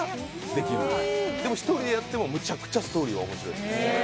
でも、１人でやってもむちゃくちゃストーリーが面白いです。